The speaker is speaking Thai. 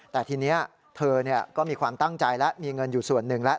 แต่ทีนี้เธอก็มีความตั้งใจแล้วมีเงินอยู่ส่วนหนึ่งแล้ว